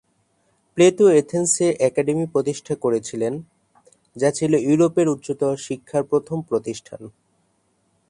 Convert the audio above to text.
Plato এথেন্সে academy প্রতিষ্ঠা করেছিলেন যা ছিল ইউরোপের উচ্চতর শিক্ষার প্রথম প্রতিষ্ঠান।